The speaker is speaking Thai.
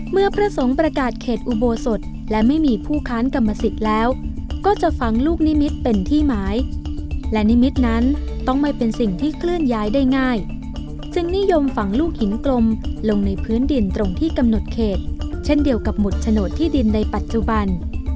พระสงฆ์ประกาศเขตอุโบสถและไม่มีผู้ค้านกรรมสิทธิ์แล้วก็จะฝังลูกนิมิตรเป็นที่หมายและนิมิตรนั้นต้องไม่เป็นสิ่งที่เคลื่อนย้ายได้ง่ายจึงนิยมฝังลูกหินกลมลงในพื้นดินตรงที่กำหนดเขตเช่นเดียวกับหมุดโฉนดที่ดินในปัจจุบัน